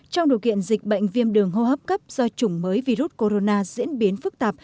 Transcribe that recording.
trong điều kiện dịch bệnh viêm đường hô hấp cấp do chủng mới virus corona diễn biến phức tạp